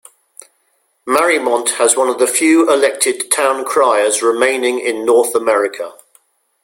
Mariemont has one of the few elected town criers remaining in North America.